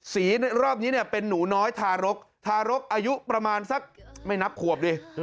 ในรอบนี้เนี่ยเป็นหนูน้อยทารกทารกอายุประมาณสักไม่นับขวบดิ